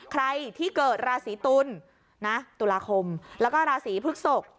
ใครที่เกิดราศีตุลนะตุลาคมแล้วก็ราศีพฤกษก